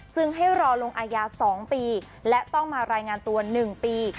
ให้รอลงอายา๒ปีและต้องมารายงานตัว๑ปี